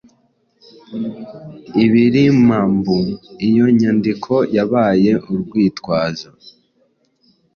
Ibiramambu iyo nyandiko yabaye urwitwazo